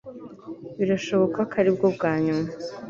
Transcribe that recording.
birashoboka ko aribwo bwa nyuma